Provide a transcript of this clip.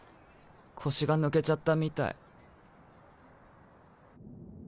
腰が抜けちゃったみたい。